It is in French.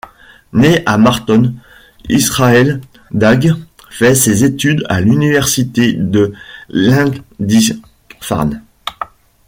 Né à Marton, Israel Dagg fait ses études à l'université de Lindisfarne.